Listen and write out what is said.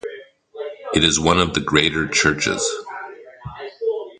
It is one of the Greater Churches.